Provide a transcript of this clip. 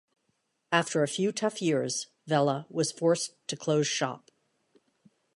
After a few tough years, Vella was forced to close shop.